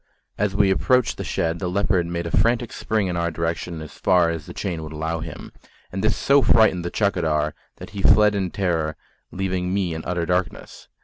As we approached the shed, the leopard made a frantic spring in our direction as far as the chain would allow him, and this so frightened the chaukidar that he fled in terror, leaving me in utter darkness.